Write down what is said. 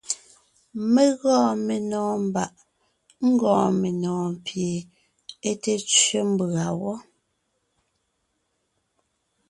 Mé gɔɔn menɔ̀ɔn mbàʼ ńgɔɔn menɔ̀ɔn pie é té tsẅé mbʉ̀a wɔ́.